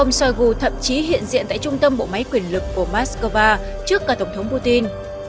ông shoigu thậm chí hiện diện tại trung tâm bộ máy quyền lực của moscow trước cả tổng thống putin